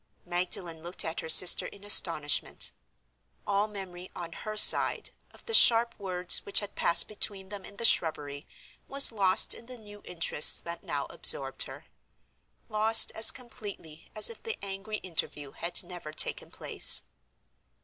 Magdalen looked at her sister in astonishment. All memory, on her side, of the sharp words which had passed between them in the shrubbery was lost in the new interests that now absorbed her; lost as completely as if the angry interview had never taken place.